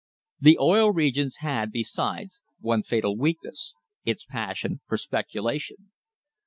The Oil Regions had, besides, one fatal weakness its passion for speculation.